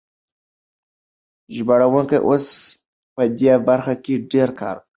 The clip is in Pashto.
ژباړونکي اوس په دې برخه کې ډېر کار کوي.